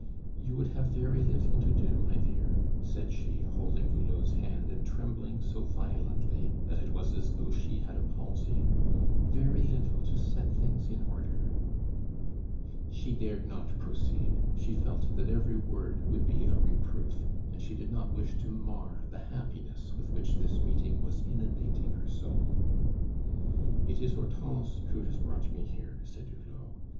"You would have very little to do, my dear," said she, holding Hulot's hand and trembling so violently that it was as though she had a palsy, "very little to set things in order " She dared not proceed; she felt that every word would be a reproof, and she did not wish to mar the happiness with which this meeting was inundating her soul. "It is Hortense who has brought me here," said Hulot.